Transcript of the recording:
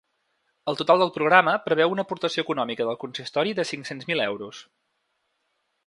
El total del programa preveu una aportació econòmica del consistori de cinc-cents mil euros.